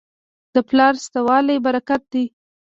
د پلار شته والی برکت دی.